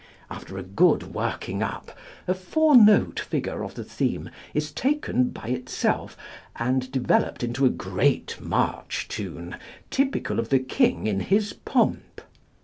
After a good working up, a four note figure of the theme is taken by itself and developed into a great march tune, typical of the King in his pomp.